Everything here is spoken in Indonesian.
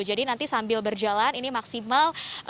jadi nanti sambil berjalan ini maksimal